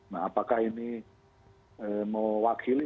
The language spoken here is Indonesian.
nah apakah ini mewakili